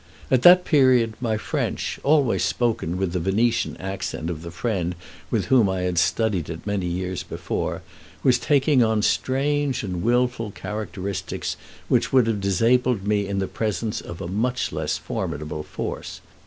At that period my French, always spoken with the Venetian accent of the friend with whom I had studied it many years before, was taking on strange and wilful characteristics, which would have disabled me in the presence of a much less formidable force.